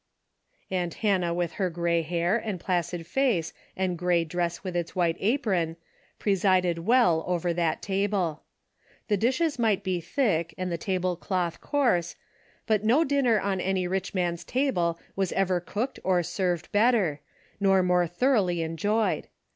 Aunt Hannah with her grey hair and placid face and grey dress with its white apron pre sided well over that table. The dishes might be thick and the tablecloth coarse, but no dinner on any rich man's table was ever cooked or served better, nor more thoroughly enjoyed.